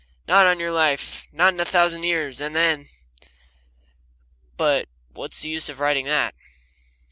"Not on your life! Not in a thousand years!" And then But what's the use of writing that?